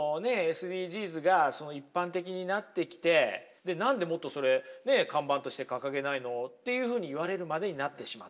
ＳＤＧｓが一般的になってきて何でもっとそれ看板として掲げないの？っていうふうに言われるまでになってしまった。